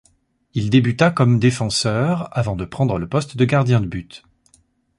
Il débuta comme défenseur avant de prendre le poste de gardien de but.